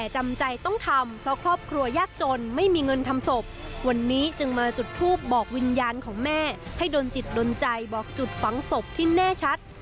ให้โดนจิตโดนใจบอกจุดฝังศพที่แน่ชัด